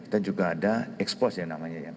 dan juga ada ekspos ya namanya ya